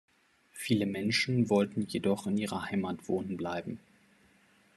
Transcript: Viele Menschen wollten jedoch in ihrer Heimat wohnen bleiben.